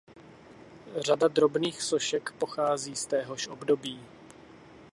Řada drobných sošek pochází z téhož období.